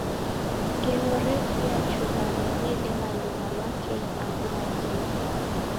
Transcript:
Ngelo refunya chughano redeka luma lwa kenyi angu nakio